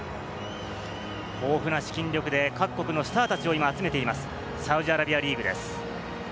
豊富な資金力で各国のスターたちを今、集めています、サウジアラビアリーグです。